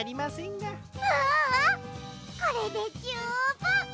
ううんこれでじゅうぶん！